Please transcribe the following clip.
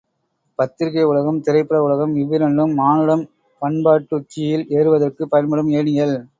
பத்திரிகை உலகம், திரைப்பட உலகம் இவ்விரண்டும் மானுடம் பண்பாட்டுச்சியில் ஏறுவதற்குப் பயன்படும் ஏணிகள்!